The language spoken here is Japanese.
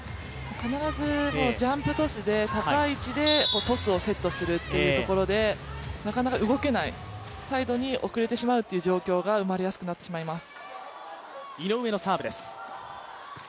必ずジャンプトスで高い位置で落とすトスをするということでなかなか動けない、サイドに遅れてしまうという状況が生まれてしまうと思います。